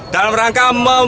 dalam rangka mem